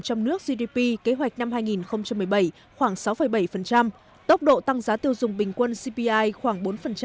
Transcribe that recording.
trong nước gdp kế hoạch năm hai nghìn một mươi bảy khoảng sáu bảy tốc độ tăng giá tiêu dùng bình quân cpi khoảng bốn